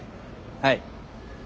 はい。